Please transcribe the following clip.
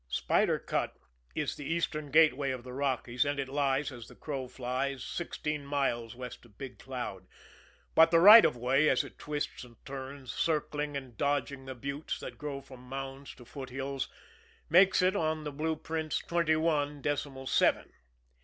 Spider Cut is the Eastern gateway of the Rockies, and it lies, as the crows fly, sixteen miles west of Big Cloud; but the right of way, as it twists and turns, circling and dodging the buttes that grow from mounds to foothills, makes it on the blue prints twenty one decimal seven.